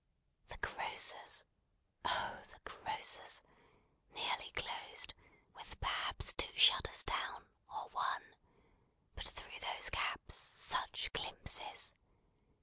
The Grocers'! oh, the Grocers'! nearly closed, with perhaps two shutters down, or one; but through those gaps such glimpses!